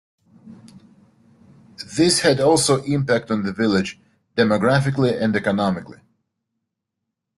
This had also impact on the village, demographically and economically.